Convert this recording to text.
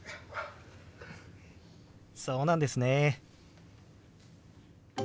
そうなんですね。